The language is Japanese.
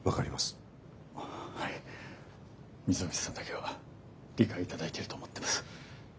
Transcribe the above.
溝口さんだけは理解頂いてると思ってます。